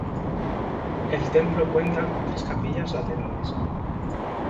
El templo cuenta con tres capillas laterales.